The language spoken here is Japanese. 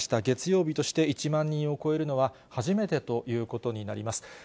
月曜日として１万人を超えるのは初めてということになります。